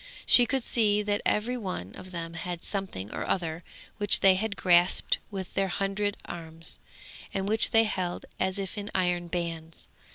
She could see that every one of them had something or other, which they had grasped with their hundred arms, and which they held as if in iron bands.